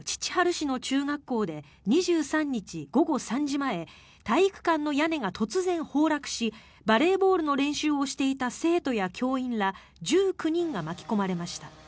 市の中学校で２３日午後３時前体育館の屋根が突然、崩落しバレーボールの練習をしていた生徒や教員ら１９人が巻き込まれました。